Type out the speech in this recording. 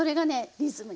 リズムに！